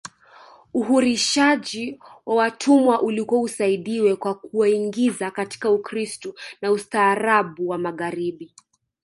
Uhurishaji wa watumwa ulikuwa usaidiwe kwa kuwaingiza katika Ukristo na ustaarabu wa Magharibi